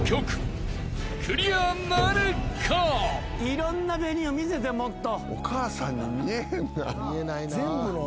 いろんなＢＥＮＩを見せてもっと。